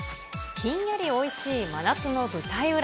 ひんやりおいしい真夏の舞台裏。